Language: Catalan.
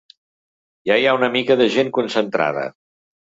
Ja hi ha una mica de gent concentrada.